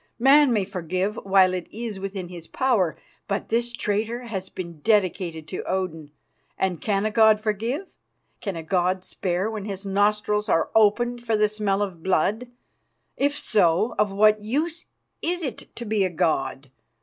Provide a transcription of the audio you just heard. Man may forgive while it is within his power; but this traitor has been dedicated to Odin, and can a god forgive? Can a god spare when his nostrils are opened for the smell of blood? If so, of what use is it to be a god?